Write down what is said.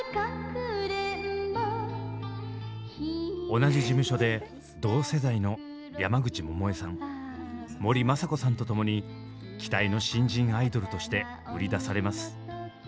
同じ事務所で同世代の山口百恵さん森昌子さんとともに期待の新人アイドルとして売り出されます。